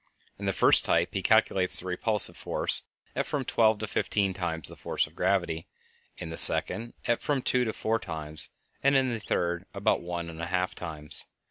In the first type he calculates the repulsive force at from twelve to fifteen times the force of gravity; in the second at from two to four times; and in the third at about one and a half times.